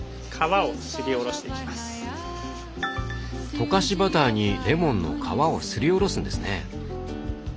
溶かしバターにレモンの皮をすりおろすんですね。